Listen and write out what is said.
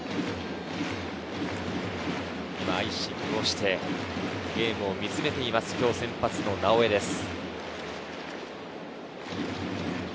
アイシングをしてゲームを見つめています、今日先発の直江です。